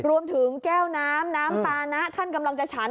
รวมถึงแก้วน้ำน้ำปานะท่านกำลังจะฉัน